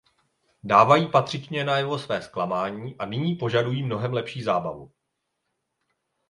Dávají patřičně najevo své zklamání a nyní požadují mnohem lepší zábavu.